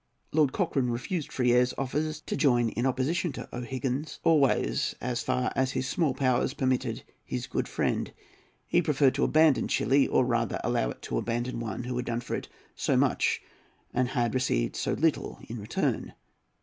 Lord Cochrane refused Freire's offers to join in opposition to O'Higgins, always, as far as his small powers permitted, his good friend. He preferred to abandon Chili, or rather to allow it to abandon one who had done for it so much and had received so little in return.